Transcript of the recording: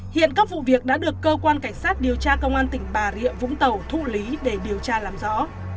hiện các vụ việc đã được cơ quan cảnh sát điều tra công an tỉnh bà rịa vũng tàu thụ lý để điều tra làm rõ